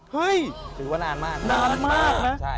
เฮ้ยคือว่านานมาก